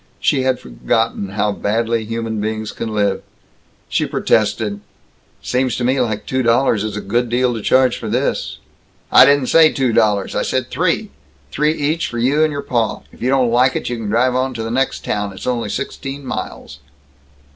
She had forgotten how badly human beings can live. She protested: "Seems to me two dollars is a good deal to charge for this!" "I didn't say two dollars. I said three! Three each for you and your pa. If you don't like it you can drive on to the next town. It's only sixteen miles!"